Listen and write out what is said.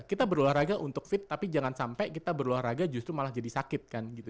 kita berolahraga untuk fit tapi jangan sampai kita berolahraga justru malah jadi sakit kan gitu